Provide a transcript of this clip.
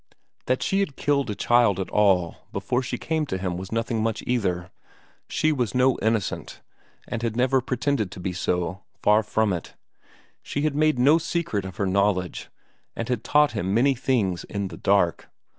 That she had had a child at all before she came to him was nothing much either; she was no innocent, and had never pretended to be so, far from it. She had made no secret of her knowledge, and had taught him many things in the dark.